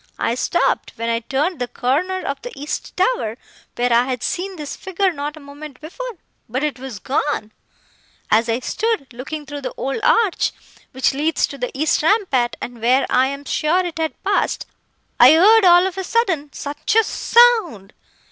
I stopped, when I turned the corner of the east tower, where I had seen this figure not a moment before,—but it was gone! As I stood, looking through the old arch which leads to the east rampart, and where I am sure it had passed, I heard, all of a sudden, such a sound!